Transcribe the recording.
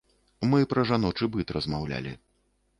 Мы пра жаночы быт размаўлялі.